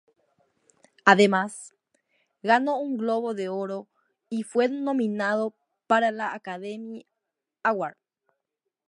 Además, ganó un Globo de Oro y fue nominado para la Academy Award.